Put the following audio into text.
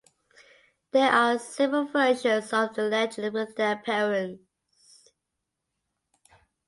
There are several versions of the legend with their appearance.